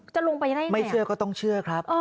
จะลงไปยังไงไม่เชื่อก็ต้องเชื่อครับ